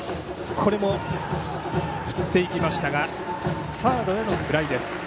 これも振っていきましたがサードへのフライ。